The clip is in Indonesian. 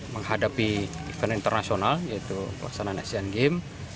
menghadapi event internasional yaitu pelaksanaan asian games